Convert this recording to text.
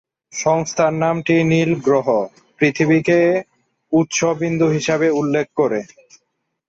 সংস্থার নামটি নীল গ্রহ, পৃথিবীকে উৎস বিন্দু হিসাবে উল্লেখ করে।